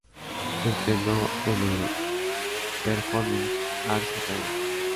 Se entrenó en el Performing Arts Academy.